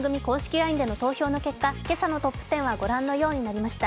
ＬＩＮＥの投票の結果、今朝のトップ１０はご覧のようになりました。